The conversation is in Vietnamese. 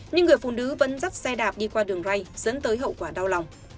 nhưng người phụ nữ vẫn dắt xe đạp đi qua đường ray dẫn tới hậu quả đau lòng